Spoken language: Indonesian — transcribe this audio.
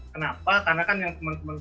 kenapa karena kan yang teman teman